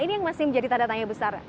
ini yang masih menjadi tanda tanya besar